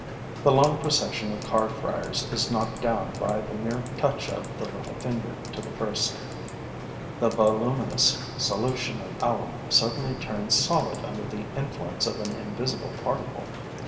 The long procession of card friars is knocked down by the mere touch of the little finger to the first; the voluminous solution of alum suddenly turns solid under the influence of an invisible particle.